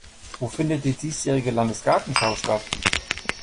Wo findet die diesjährige Landesgartenschau statt?